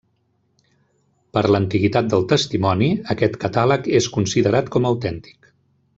Per l'antiguitat del testimoni, aquest catàleg és considerat com autèntic.